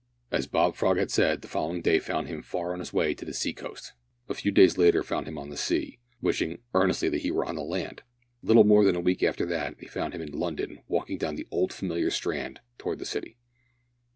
As Bob Frog had said, the following day found him far on his way to the sea coast. A few days later found him on the sea, wishing, earnestly, that he were on the land! Little more than a week after that found him in London walking down the old familiar Strand towards the city.